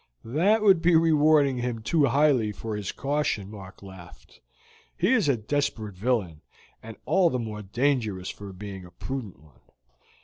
"That would be rewarding him too highly for his caution," Mark laughed. "He is a desperate villain, and all the more dangerous for being a prudent one.